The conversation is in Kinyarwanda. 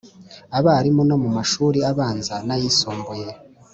Abarimu no mumashuri abanza nayisumbuye